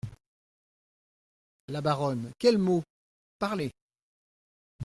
La Baronne Quel mot ? parlez…